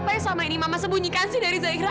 apa yang sama ini mama sembunyikan sih dari zaira